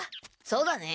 そうだね。